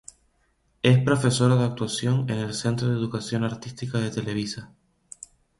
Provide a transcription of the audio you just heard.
Es profesora de actuación en el Centro de Educación Artística de Televisa.